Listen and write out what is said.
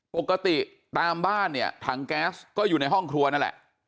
ปกติตามบ้านเนี่ยถังแก๊สก็อยู่ในห้องครัวนั่นแหละ